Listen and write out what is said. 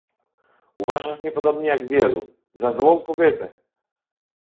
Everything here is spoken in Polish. "uważasz mnie podobnie jak wielu, za złą kobietę!"